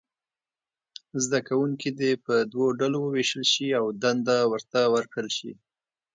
زده کوونکي دې په دوو ډلو وویشل شي او دنده ورته ورکړل شي.